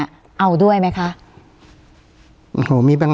การแสดงความคิดเห็น